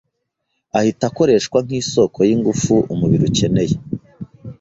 ahita akoreshwa nk’isoko y’ingufu umubiri ukeneye.